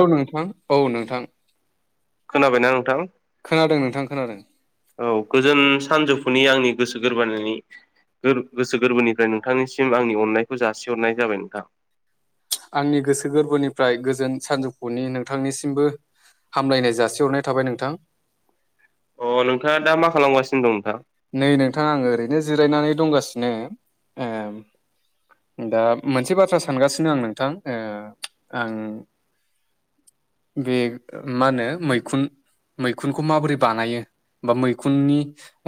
औव नोंथां औव नोंथां। खोनाबायना नोंथां? खोनादों नोंथां खोनादों। औ गोजोन सानजौफुनि आंनि गोसो गोरबोनि गोर गोसो गोरबोनिफ्राय नोंथांनिसिम आंनि अननायखौ जासिहरनाय जाबाय नोंथां। आंनि गोसो गोरबोनिफ्राय गोजोन सानजौफुनि नोंथांनिसिमबो हामलायनाय जासिहरनाय थाबाय नोंथां। अ नोंथाङा दा मा खालामगासिनो दं नोंथां? नै नोंथांङा आंङो ओरैनो जिरायनानै दंगासिनो ओम। दा मोनसे बाथ्रा सानगासिनो आं नोंथां ओ ओं बे मा होनो मैखुन मैखुनखौ माबोरै बानायो? बा मैखुननि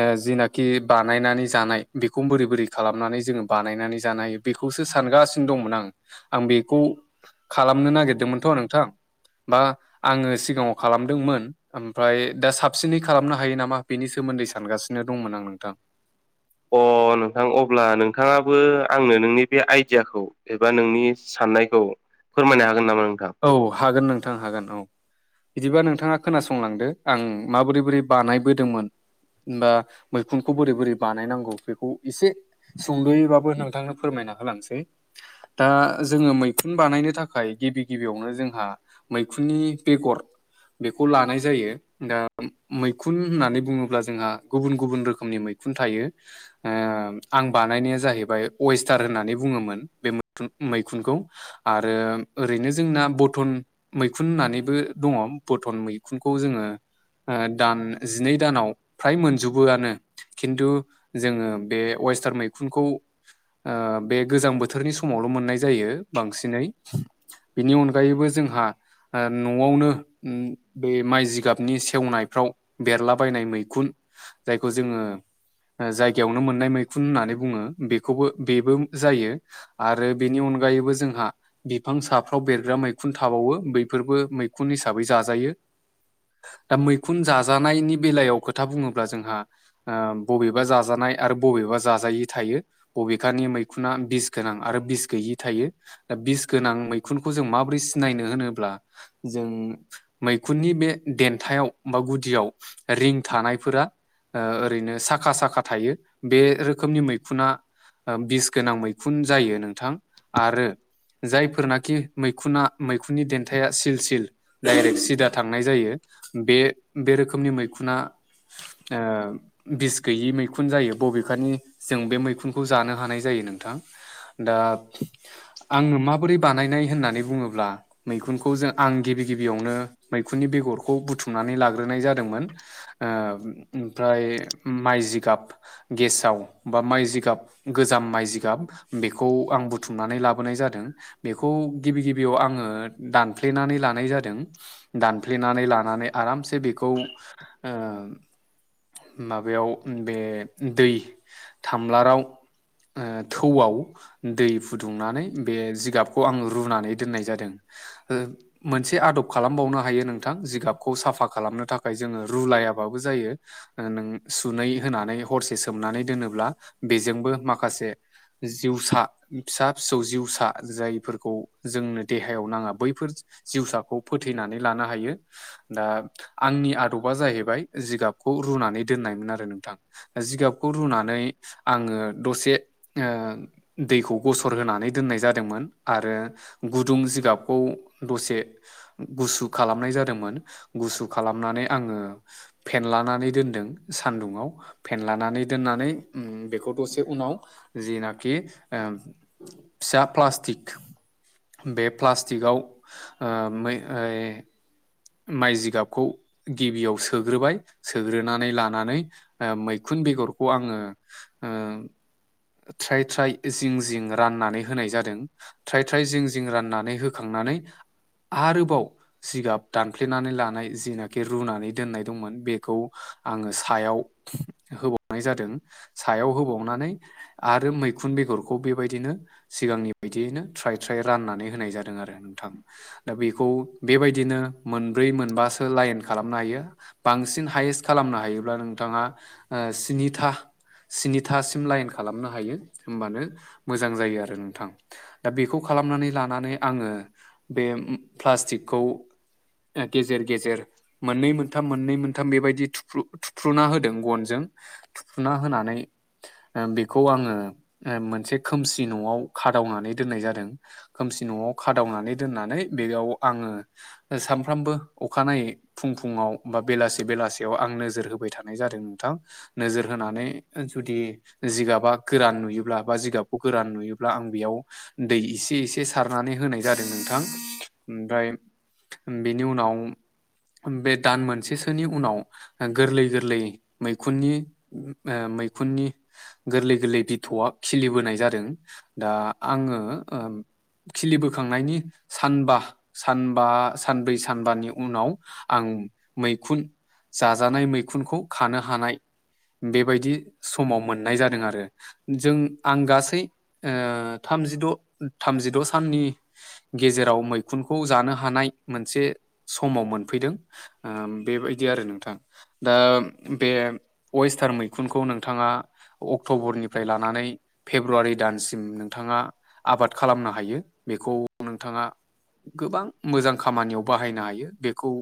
ओ जिनाखि बानायनानै जानाय बेखौ बोरै बोरै खालामनानै जोंङो बानायनानै जानाय बेखौसो सानगासिनो दंमोन आं। आं बेखौ खालामनो नागिरदोंमोनथ' नोंथां। बा आंङो सिगांङाव खालामदोंमोन। ओमफ्राय दा साबसिनै खालामनो हायो नामा? बेनि सोमोन्दै सानगासिनो दंमोन आं नोंथां। अ नोंथां अब्ला नोंथांङाबो आंनो नोंनि बे आइडियाखौ एबा नोंनि साननायखौ फोरमायनो हागोन नामा नोंथां? औव हागोन नोंथां हागोन औव। बिदिबा नोंथाङा खोनासंलांदो आं माबोरै बोरै बानायबोदोंमोन बा मैखुनखौ बोरै बोरै बानायनांगौ बेखौ एसे सुंद'यैबाबो नोंथांनो फोरमायना होलांसै। दा जोङो मैखुन बानायनो थाखाय गिबि गिबियावनो जोंहा मैखुननि बेगर बेखौ लानाय जायो। दा मैखुन होननानै बुङोब्ला जोंहा गुबुन गुबुन रोखोमनि मैखुन थायो ओ आं बानायनाया जाहैबाय अवेस्टार होननानै बुङोमोन बे मैखुनखौ आरो ओरैनो जोंना बथन मैखुन होननानैबो दङ बथन मैखुनखौ जोङो ओ दान जिनै दानाव फ्राय मोनजोबोआनो खिन्थु जोङो बे वेस्टार मैखुनखौ ओ बे गोजां बोथोरनि समावल' मोननाय जायो बांसिनै बिनि अनगायैबो जोंहा ओ न'आवनो बे माइ जिगाबनि सेवनायफ्राव बेरलाबायनाय मैखुन जायखौ जोङो ओ जायगायावनो मोननाय मैखुन होननानै बुङो बेखौबो बेबो जायो आरो बेनि अनगायैबो जोंहा बिफां साफ फ्राव बेरग्रा मैखुन थाबावो बैफोरबो मैखुन हिसाबै जाजायो दा मैखुन जाजानायनि बेलायाव खोथा बुङोब्ला जोंहा ओ बबेबा जाजानाय आरो बबेबा जाजायि थायो बबेखानि मैखुना बिस गोनां आरो बिस गैयि थायो दा बिस गोनां मैख मैखुनखौ जों माब्रै सिनायनो होनोब्ला जों मैखुननि बे देन्थायाव बा गुदियाव रिं थानायफोरा ओ ओरैनो साखा साखा थायो बे रोखोमनि मैखुना ओ बिस गोनां मैखुन जायो नोंथां आरो जायफोरना खि मैखुना मैखुननि देन्थाया सिल सिल डाइरेक्ट सिदा थांनाय जायो बे बे रोखोमनि मैखुना ओ बिस गैयि मैखुन जायो बबेखानि जों बे मैखुनखौ जानो हानाय जायो नोंथां दा आङो मा बोरै बानायनाय होननानै बुङोब्ला मैखुनखौ जों आं गिबि गिबियावनो मैखुननि बेगरखौ बुथुमनानै लाग्रोनाय जादोंमोन ओ ओमफ्राय माइ जिगाब गेसाव बा माइ जिगाब गोजाम माइ जिगाब बेखौ आं बुथुमनानै लाबोनाय जादों बेखौ गिबि गिबियाव आङो दानफ्लेनानै लानाय जादों दानफ्लेनानै लानानै आरामसे बेखौ ओ माबायाव बे दै थामलाराव ओ थौआव दै फुदुंनानै बे जिगाब खौ आं रुनानै दोननाय जादों मोनसे आदब खालामबावनो हायो नोंथां जिगाबखौ साफा खालामनो थाखाय जोङो रुलायाबाबो जायो नों सुनै होनानै हरसे सोमनानै दोनोब्ला बेजोंबो माखासे जिउसा फिसा फिसौ जिउसा जायो फोरखौ जोंनो देहायाव नाङा बैफोर जिउसाखौ फोथैनानै लानो हायो दा आंनि आदबा जाहैबाय जिगाबखौ रुनानै दोननायमोन आरो नोंथां जिगाबखौ रुनानै आङो दसे ओ दैखौ गसर होनानै दोननाय जादोंमोन आरो गुदुं जिगाबखौ दसे गुसु खालामनाय जादोंमोन गुसु खालामनानै आङो फेनलानानै दोनदों सान्दुंआव फेनलानानै दोननानै उम बेखौ दसे उनाव जेनाखि ओ फिसा प्लास्टिक बे प्लास्टिकआव ओ मै ओइ माइ जिगाबखौ गिबियाव सोग्रोबाय सोग्रोनानै लानानै ओ मैखुन बेग'रखौ आङो ओ थ्राय थ्राय जिं जिं राननानै होनाय जादों। थ्राय थ्राय जिं जिं राननानै होखांनानै आरोबाव जिगाब दानफ्लेनानै लानाय जिनाखि रुनानै दोननाय दंमोन बेखौ आङो सायाव होबावनाय जादों सायाव होबावनानै आरो मैखुन बेगरखौ बेबायदिनो सिगांनि बिदियैनो थ्राय थ्राय राननानै होनाय जादों आरो नोंथां। दा बेखौ बेबायदिनो मोनब्रै मोनबासो लाइन खालामनो हायो बांसिन हायेस्ट खालामनो हायोब्ला नोंथाङा ओ स्निथा सिनिथासिम लाइन खालामनो हायो होमबानो मोजां जायो आरो नोंथां। दा बेखौ खालामनानै लानानै आङो बे ओम प्लास्टिकखौ ओ गेजेर गेजेर मोननै मोनथाम मोननै मोनथाम बेबायदि थुफ्रु थुफ्रुना होदों गनजों थुफ्रुना होनानै ओ बेखौ आङो मोनसे खोमसि न'आव खादावनानै दोननाय जादों। खोमसि न'आव खादावनानै दोननानै बेयाव आङो ओ साम फ्रामबो अखानायै फुं फुङाव बा बेलासे बेलासेयाव आं नोजोर होबाय थानाय जादों नोंथां। नोजोर होनानै जुदि जिगाबा गोरान नुयोब्ला बा जिगाबखौ गोरान नुयोब्ला आं बेयाव दै इसे एसे सारनानै होनाय जादों नोंथां ओमफ्राय बेनि उनाव बे दान मोनसेसोनि उनाव गोरलै गोरलै मैखुननि उम ओ मैखुननि गोरलै गोरलै बिथौआ खिलिबोनाय जादों दा आङो ओ खिलि बोखांनायनि सानबा सानबा सानब्रै सानबानि उनाव आं मैखुन जाजानाय मैखुनखौ खानो हानाय बेबायदि समाव मोननाय जादों आरो। जों आं गासै ओ थामजिद' थामजिद' साननि गेजेराव मैखुनखौ जानो हानाय मोनसे समाव मोनफैदों। ओ बेबायदि आरो नोंथां। दा बे वेस्टार्न मैखुनखौ नोंथाङा अक्ट'बरनिफ्राय लानानै फेब्रुवारि दानसिम नोंथाङा आबाद खालामनो हायो बेखौ नोंथाङा गोबां मोजां खामानियाव बाहायनो हायो बेखौ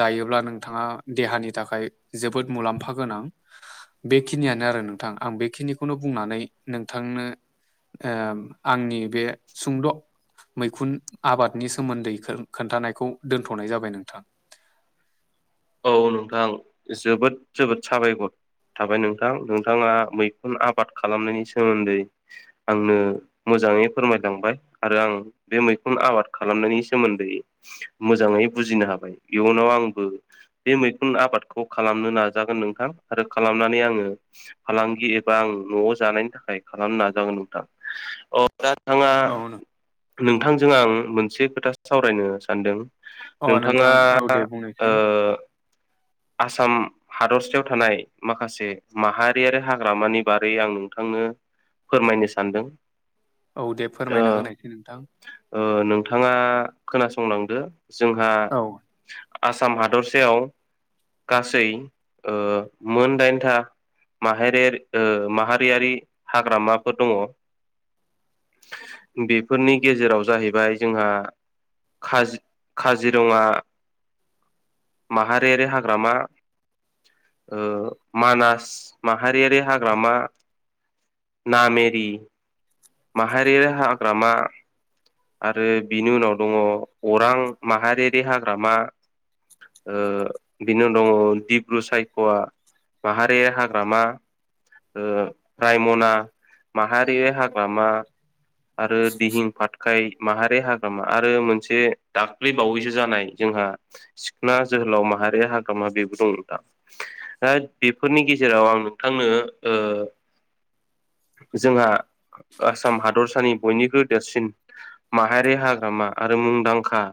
जायोब्ला नोंथाङा देहानि थाखाय जोबोद मुलाम्फा गोनां बेखिनियानो आरो नोंथां आं बेखिनिखौनो बुंनानै नोंथांनो ओ आंनि बे सुंद' मैखुन आबादनि सोमोन्दै खोन्थानायखौ दोनथ'नाय जाबाय नोंथां। औ नोंथां जोबोद जोबोद साबायखर। थाबाय नोंथां नोंथाङा मैखुन आबाद खालामनायनि सोमोन्दै आंनो मोजाङै फोरमायलांबाय आरो आं बे मैखुन आबाद खालामनायनि सोमोन्दै मोजाङै बुजिनो हाबाय इयुनाव आंबो बे मैखुन आबादखौ खालामनो नाजागोन नोंथां आरो खालामनानै आङो फालांगि एबा आं न'आव जानायनि थाखाय खालामनो नाजागोन नोंथां अ दा नोंथाङा औ नोंथांजों आं मोनसे खोथासो सावरायनो सानदों। अ नोंथाङा नोंथां औ दे ओ बुंनायसाय आसाम हादरसायाव थानाय माखासे माहारियारि हाग्रामानि बारै आं नोंथांनो फोरमायनो सानदों। औ दे ओ फोरमायना होनायसै नोंथां। ओ नोंथाङा खोनासंलांदो जोंहा औ आसाम हादरसायाव गासै ओ मोनदाइनथा माहायरियारि ओ माहारियारि हाग्रामाफोर दङ। बेफोरनि गेजेराव जाहैबाय जोंहा काज काजिरङा माहारियारि हाग ग्रामा ओ मानास माहारियारि हाग्रामा। नामेरि माहारियारि हाग्रामा। आरो बिनि उनाव दङ अरां माहारियारि हाग्रामा। ओ बिनि उनाव दङ दिब्रु सायख'वा माहारि हाग्रामा ओ रायमना माहारि हा ग्रामा आरो दिहिं फातखाय माहारि हाग्रामा आरो मोनसे दाख्लै बावैसो जानाय जोंहा सिखना जोहोलाव माहारि हाग्रामा बेबो दं नोंथां। [unintelligible] बेफोरनि गेजेराव आं नोंथांनो ओ जोंहा आसाम हादरसानि बयनिख्रुइ देरसिन माहारि हाग्रामा आरो मुंदांखा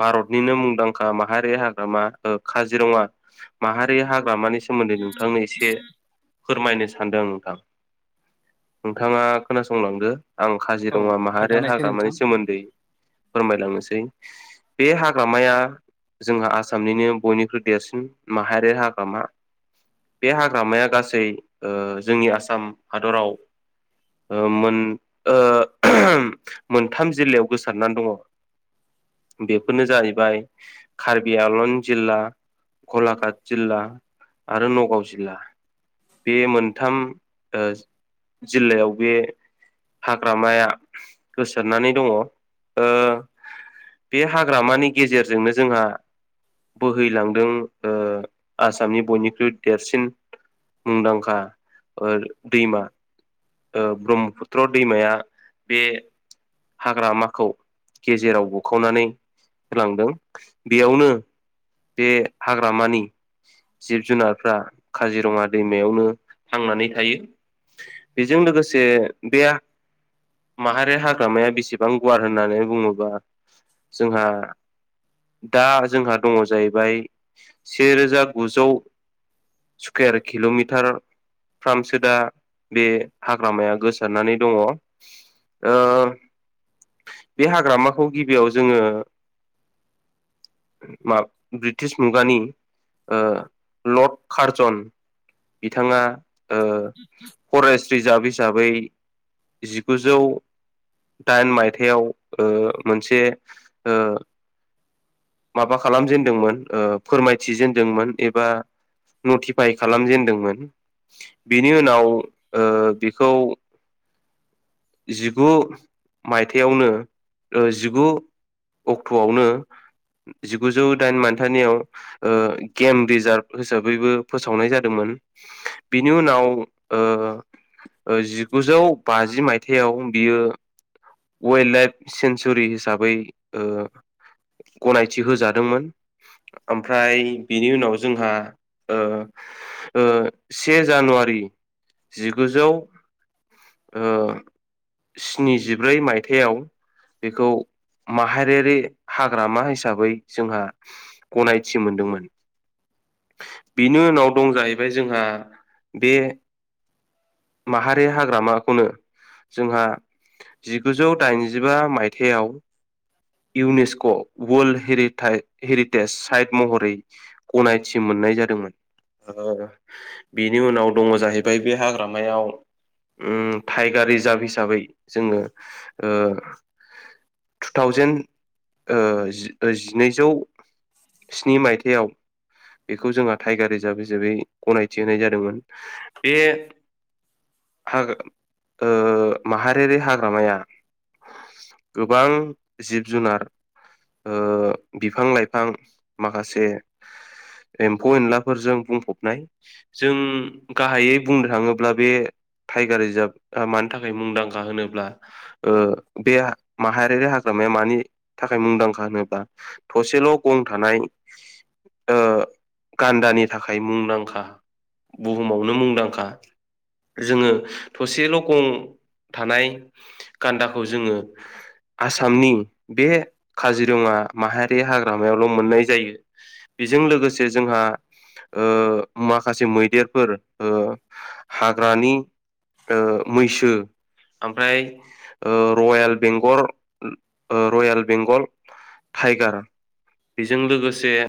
भारतनिनो मुंदांखा माहारि हाग्रामा ओ काजिरङा माहारि हाग्रामानि सि सोमोन्दै नोंथांनो एसे फोरमायनो सानदों नोंथां नोंथाङा खोनासंलांदो आं औ काजिरङा माहारि खोन्थानायसै नोंथां हाग्रामानि सोमोन्दै फोरमायलांनोसै। बे हाग्रामाया जोंहा आसामनिनो बयनिख्रुइ देरसिन माहारि हाग्रामा बे हाग्रामाया गासै ओ जोंनि आसाम हादराव ओ मोन ओ मोनथाम जिल्लायाव गोसारनानै दङ। बेफोरनो जाहैबाय कार्बि आंलन जिल्ला गलाघाट जिल्ला आरो नगाव जिल्ला। बे मोनथाम ओज जिल्लायाव बे हाग्रामाया गोसारनानै दङ ओ बे हाग्रामानि गेजेरजोंनो जोंहा बोहैलांदों ओ आसामनि बयनिख्रुइ देरसिन मुंदांखा ओ दैमा ओ ब्रह्मपुत्र दैमाया बे हाग्रामाखौ गेजेराव बुखावनानै होलांदों बेयावनो बे हाग्रामानि जिब जुनारफ्रा काजिरङा दैमायावनो थांनानै थायो। बेजों लोगोसे बेया माहारि हाग्रामाया बेसेबां गुवार होननानै बुङोबा जोंहा दा जोंहा दङ जाहैबाय सेरोजा गुजौ स्कुयार किल'मिटारफ्रामसो दा बे हाग्रामाया गोसारनानै दङ ओ बे हाग्रामाखौ गिबियाव जोङो ब्रिटिश मुगानि ओ लर्ड कार्जन बिथाङा ओ फरेस्ट रिजार्भ हिसाबै जिगुजौ दाइन मायथाइयाव ओ मोनसे ओ माबा खालामजेनदोंमोन ओ फोरमायथिजेनदोंमोन एबा नटिफाइ खालामजेनदोंमोन बेनि उनाव ओ बिखौ जिगु मायथायावनो ओ जिगु अक्ट'आवनो जिगुजौ दाइन मायथानियाव ओ गेम बिजार्भ हिसाबैबो फोसावनाय जादोंमोन। बिनि उनाव ओ ओ जिगुजौ बाजि माइ थेयाव बियो वाइल्ड लाइफ सेनसुरि हिसाबै ओ गनायथि होजादोंमोन। ओमफ्राय बिनि उनाव जोंहा ओ ओ से जानुवारि जिगुजौ ओ स्निजिब्रै मायथायाव बेखौ माहारियारि हाग्रामा हिसाबै जोंहा गनायथि मोनदोंमोन। बेनि उनाव दं जाहैबाय जोंहा बे माहारि हाग्रामाखौनो जोंहा जिगुजौ दाइनजिबा मायथाइयाव इउनेस्क' वर्ल्ड हेरिथा हेरि तेज साइथ महरै गनायथि मोननाय जादोंमोन। ओ बेनि उनाव दङ जाहैबाय बे हाग्रामायाव ओ टाइगार रिजार्भ हिसाबै जोङो ओ थुथावजेन ओ ओ जिनैजौ स्नि मायथायाव बेखौ जोंहा टाइगार रिजार्भ हिसाबै गनायथि होनाय जादोंमोन बे हाग्रा ओ माहारिआरि हाग्रामाया गोबां जिब-जुनार ओ बिफां-लाइफां माखासे एम्फौ एनलाफोरजों बुंफबनाय। जों गाहायै बुंनो थाङोब्ला बे टाइगार रिजार्भआ मानि था खाय मुंदांखा होनोब्ला ओ बे माहारिआरि हाग्रामाया मानि थाखाय मुंदांखा होनोब्ला थसेल' गं थानाय ओ गान्दानि थाखाय मुंदांखा। बुहुमावनो मुंदांखा। जोङो थसेल' गं थानाय गान्दाखौ जोङो आसामनि बे काजिरङा माहारि हाग्रामायावल' मोननाय जायो। बेजों लोगोसे जोंहा ओ माखासे मैदेरफोर ओ हाग्रानि ओ मैसो ओमफ्राय रयेल बेंगल ओ रयेल बेंगल टाइगार बेजों लोगोसे